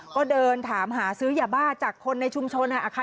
ก็เดินถามหาซื้อยาบ้าจากคนในชุมชน